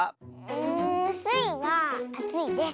んスイはあついです。